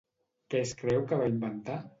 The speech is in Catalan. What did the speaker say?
Què es creu que va inventar?